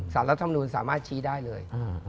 สารรัฐมนูลสามารถชี้ได้เลย